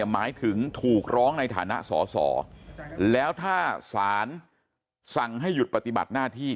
หมายถึงถูกร้องในฐานะสอสอแล้วถ้าสารสั่งให้หยุดปฏิบัติหน้าที่